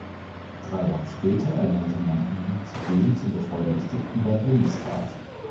Drei Jahre später ernannte man ihn zudem zum Bevollmächtigten beim Bundesrat.